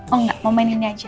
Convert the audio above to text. oh enggak mau main ini aja